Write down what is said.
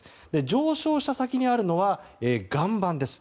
上昇した先にあるのは岩盤です。